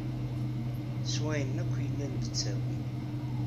S wayen akk yellan d ttawil..